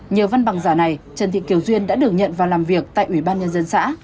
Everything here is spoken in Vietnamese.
nhờ văn bằng giả này trần thị kiều duyên đã được nhận vào làm việc tại ủy ban nhân dân xã